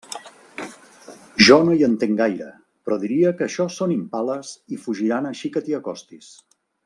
Jo no hi entenc gaire, però diria que això són impales i fugiran així que t'hi acostis.